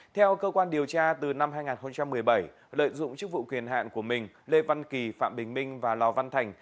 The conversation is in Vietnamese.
theo cơ quan điều tra từ năm hai nghìn một mươi bảy lợi dụng chức vụ quyền hạn của mình lê văn kỳ phạm bình minh và lò văn thành